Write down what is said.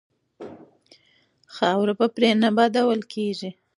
خاورې به پرې نه بادول کیږي.